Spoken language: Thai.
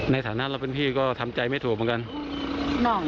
ในฐานะเราเป็นพี่ก็ทำใจไม่ถูกเหมือนกัน